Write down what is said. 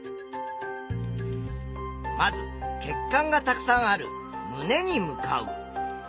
まず血管がたくさんある胸に向かう。